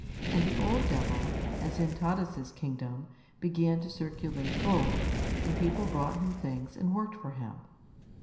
And the old Devil, as in Taras' kingdom, began to circulate gold, and people brought him things and worked for him.